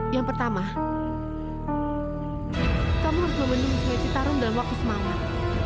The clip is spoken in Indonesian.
yang pertama kamu harus membendungi suai citarum dalam waktu semangat